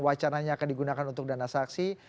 wacananya akan digunakan untuk dana saksi